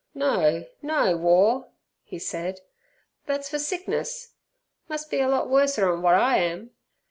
"No, no, War!" he said. "Thet's for sickness; mus' be a lot worser'n wot I am!"